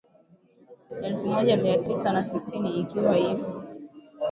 Elfu moja mia tisa na sitini hivi akiwa